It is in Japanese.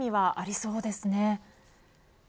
そうですね。